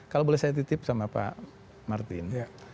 kalau boleh saya titip sama pak martin